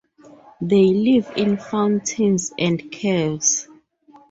They live in fountains and caves.